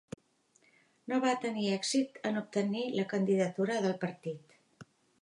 No va tenir èxit en obtenir la candidatura del partit.